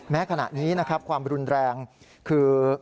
ขณะนี้นะครับความรุนแรงคือ